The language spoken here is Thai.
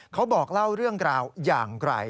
เขาบอกเล่าเรื่องราวอย่างไกล